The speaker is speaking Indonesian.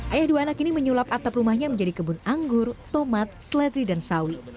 ayah dua anak ini menyulap atap rumahnya menjadi kebun anggur tomat seledri dan sawi